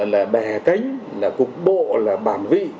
là bè cánh là cục bộ là bản vị